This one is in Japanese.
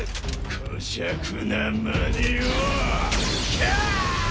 こしゃくなマネをはあっ！